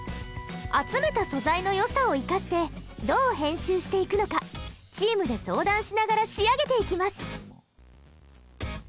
集めた素材のよさを生かしてどう編集していくのかチームで相談しながら仕上げていきます。